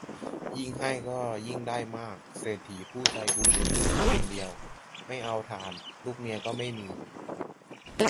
ยิ่งให้ก็ยิ่งได้มาก เศรษฐีผู้ใจบุญมีลูกชายคนเดียว ไม่เอาถ่าน ลูกเมียก็ไม่มี